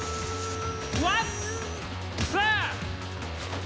ワンツース。